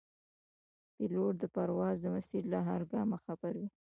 پیلوټ د پرواز د مسیر له هر ګامه خبر وي.